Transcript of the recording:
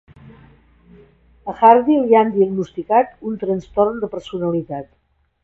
A Hardy li han diagnosticat un trastorn de personalitat.